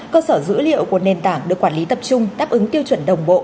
cơ sở dữ liệu của nền tảng được quản lý tập trung đáp ứng tiêu chuẩn đồng bộ